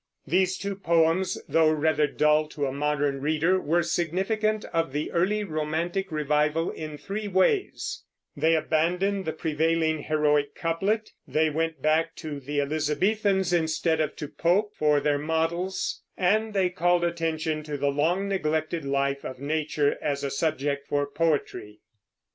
These two poems, though rather dull to a modern reader, were significant of the early romantic revival in three ways: they abandoned the prevailing heroic couplet; they went back to the Elizabethans, instead of to Pope, for their models; and they called attention to the long neglected life of nature as a subject for poetry.